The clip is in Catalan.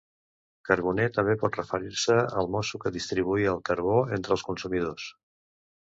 Carboner també pot referir-se al mosso que distribuïa el carbó entre els consumidors.